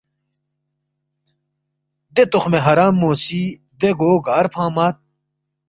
دے تُخمِ حرام مو سی دے گو گار فنگمت